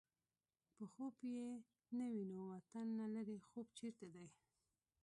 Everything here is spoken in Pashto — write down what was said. په خوب يې نه وینو وطن نه لرې خوب چېرې دی